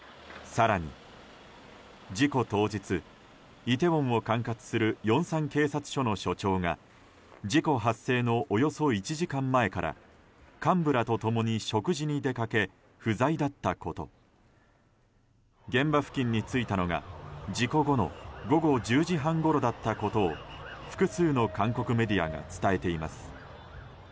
更に事故当日イテウォンを管轄するヨンサン警察署の署長が事故発生のおよそ１時間前から幹部らと共に食事に出かけ不在だったこと現場付近に着いたのが、事故後の午後１０時半ごろだったことを複数の韓国メディアが伝えています。